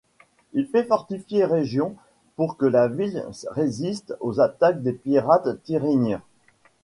Il fait fortifier Rhégion pour que la ville résiste aux attaques des pirates tyrrhéniens.